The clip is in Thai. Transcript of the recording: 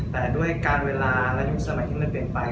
แต่การเวลาน่าที่บ้างเดินไป